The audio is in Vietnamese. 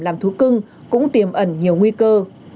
làm thú cưng cũng tiềm ẩn nhiều nguy cơ